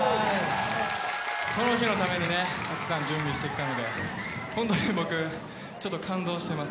この日のためにねたくさん準備してきたので本当に僕ちょっと感動してます。